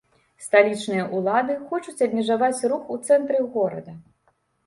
Сталічныя ўлады хочуць абмежаваць рух у цэнтры горада.